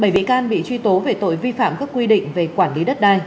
bảy bị can bị truy tố về tội vi phạm các quy định về quản lý đất đai